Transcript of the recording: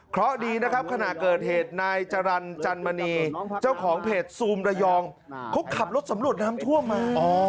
เพราะดีนะครับขณะเกิดเหตุนายจรรย์จันมณีเจ้าของเพจซูมระยองเขาขับรถสำรวจน้ำท่วมมา